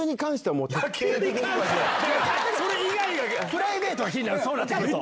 プライベートが気になるそうなってくると。